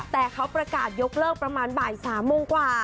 แต่เขาประกาศยกเลิกประมาณบ่าย๓โมงกว่า